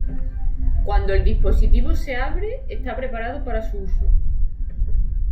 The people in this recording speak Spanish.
Cuando el dispositivo se abre, está preparado para su uso.